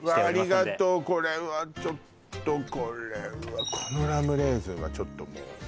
ありがとうこれはちょっとこれはこのラムレーズンはちょっともうね